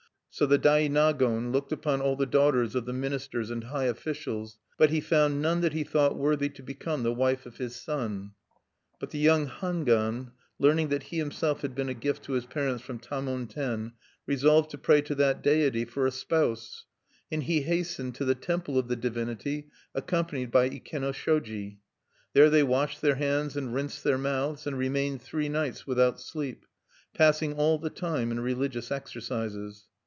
So the Dainagon looked upon all the daughters of the ministers and high officials, but he found none that he thought worthy to become the wife of his son. But the young Hangwan, learning that he himself had been a gift to his parents from Tamon Ten, resolved to pray to that deity for a spouse; and he hastened to the temple of the divinity, accompanied by Ikenoshoji. There they washed their hands and rinsed their mouths, and remained three nights without sleep, passing all the time in religious exercises.